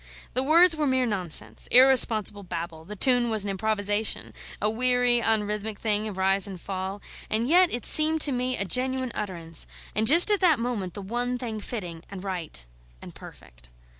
The words were mere nonsense, irresponsible babble; the tune was an improvisation, a weary, unrhythmic thing of rise and fall: and yet it seemed to me a genuine utterance, and just at that moment the one thing fitting and right and perfect.